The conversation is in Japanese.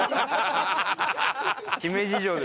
姫路城で。